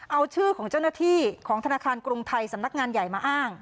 เอาชื่อของเจ้าหน้าที่ของธนาคารกรุงไทยสำนักงานใหญ่มาอ้าง